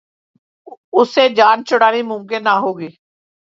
اس سے جان چھڑانی ممکن نہ ہوگی۔